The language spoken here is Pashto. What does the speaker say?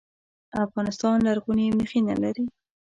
افغانستان لرغوني مخینه لري